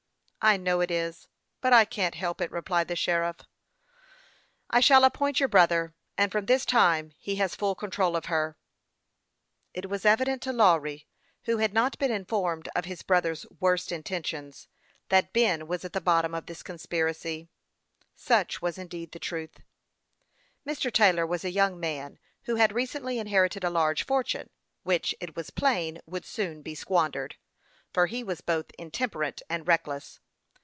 " I know it is ; but I can't help it," replied the sheriff. " I shall appoint your brother as keeper, and frora this time he has full control of her. I want to make it as easy as I can for you." It was evident even to Lawry, who had not been informed of his brother's worst intentions, that Ben was at the bottom of this conspiracy. Such was indeed the truth. Mr. Taylor was a young man who had recently inherited a large fortune, which, it was plain, would soon be squandered, for he was both intemperate and reckless.